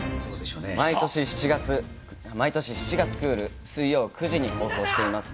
毎年７月クール水曜９時に放送しています